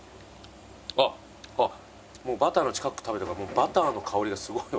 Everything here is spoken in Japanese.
あっあっバターの近く食べたからもうバターの香りがすごいわ。